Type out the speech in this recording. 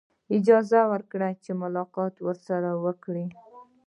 اجازه ورکړي چې ملاقات ورسره وکړي.